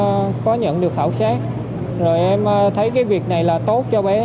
trước đó thì em có nhận được khảo sát rồi em thấy cái việc này là tốt cho bé